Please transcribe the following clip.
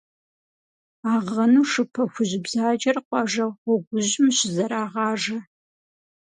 Агъэну шы пэхужь бзаджэр къуажэ гъуэгужьым щызэрагъажэ.